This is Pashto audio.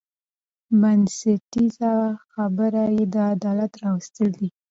بنسټي خبره یې د عدالت راوستل دي.